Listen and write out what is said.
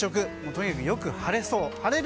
とにかく、よく晴れそう。